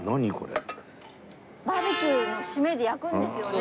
バーベキューの締めで焼くんですよね